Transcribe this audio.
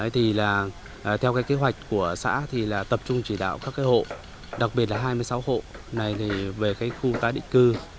thì là theo cái kế hoạch của xã thì là tập trung chỉ đạo các hộ đặc biệt là hai mươi sáu hộ này thì về cái khu tái định cư